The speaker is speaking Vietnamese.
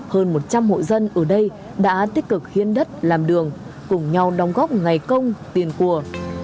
hơn một trăm linh hộ dân ở đây đã tích cực hiến đất làm đường cùng nhau đóng góp ngày công tiền của